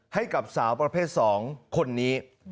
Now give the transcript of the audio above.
ให้กับสาวประเภท๒คนนี้